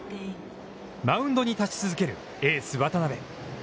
マウンドに立ち続ける、エース渡辺。